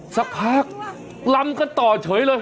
สักพักลำกันต่อเฉยเลย